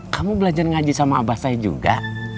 kamu belajar ngaji sama abah saya juga